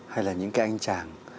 hay là những cái anh chàng